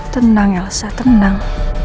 tenang elsa tenang